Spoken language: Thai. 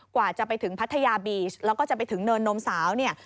กว่าจะไปถึงพัทยาบีชแล้วก็จะไปถึงเนินนมสาวเนี่ย